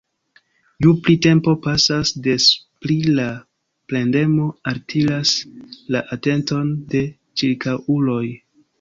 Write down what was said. Ju pli tempo pasas, des pli la plendemo altiras la atenton de ĉirkaŭuloj.